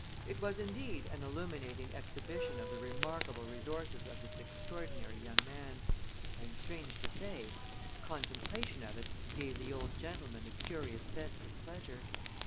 It was indeed an illuminating exhibition of the remarkable resources of this extraordinary young man, and, strange to say, a contemplation of it gave the old gentleman a curious sense of pleasure.